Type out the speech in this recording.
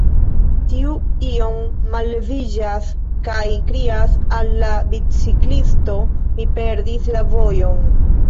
Tiu iom malleviĝas, kaj krias al la biciklisto: Mi perdis la vojon.